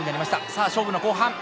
さあ勝負の後半。